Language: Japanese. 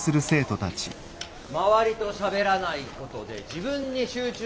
周りとしゃべらないことで自分に集中する。